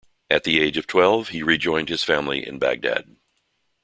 At the age of twelve, he rejoined his family in Baghdad.